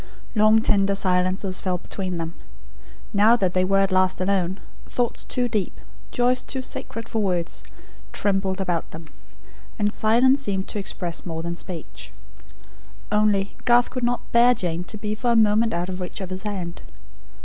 Long tender silences fell between them. Now that they were at last alone, thoughts too deep, joys too sacred for words, trembled about them; and silence seemed to express more than speech. Only, Garth could not bear Jane to be for a moment out of reach of his hand.